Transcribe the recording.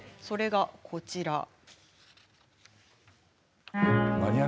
それが、こちら。